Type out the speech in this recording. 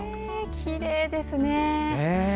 きれいですね。